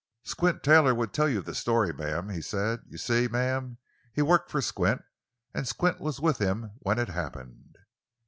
"Squint Taylor would tell you the story, ma'am," he said. "You see, ma'am, he worked for Squint, an' Squint was with him when it happened."